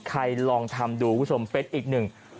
ลองทำดูคุณผู้ชมเป็นอีกหนึ่ง